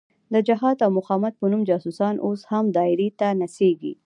د جهاد او مقاومت په نوم جاسوسان اوس هم دایرې ته نڅېږي.